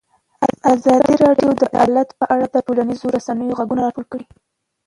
ازادي راډیو د عدالت په اړه د ټولنیزو رسنیو غبرګونونه راټول کړي.